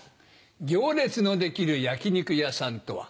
行列のできる焼き肉屋さんとは。